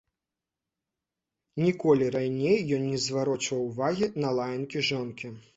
Ніколі раней ён не зварочваў увагі на лаянкі жонкі.